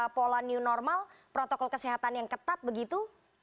pola new normal protokol kesehatan yang ketat begitu